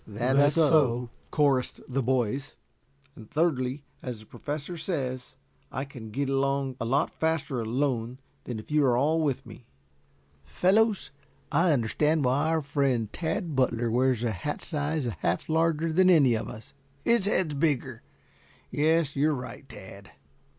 "That's so," chorused the boys. "And thirdly, as the Professor says, I can get along a lot faster alone than if you are all with me." "Fellows, I understand why our friend Tad Butler wears a hat a size and a half larger than any of us his head's bigger. Yes, you're right, Tad."